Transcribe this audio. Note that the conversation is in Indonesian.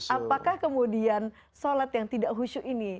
apakah kemudian sholat yang tidak khusyuk ini